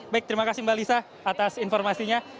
baik terima kasih mbak lisa atas informasinya